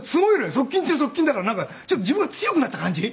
側近中の側近だからなんかちょっと自分が強くなった感じ。